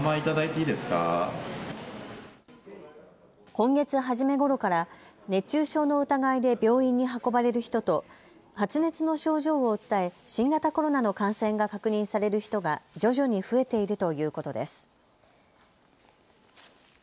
今月初めごろから熱中症の疑いで病院に運ばれる人と発熱の症状を訴え、新型コロナの感染が確認される人が徐々に増えているということです。